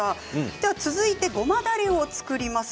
では続いてごまだれを作ります。